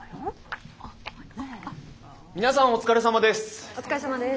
皆さんお疲れさまです。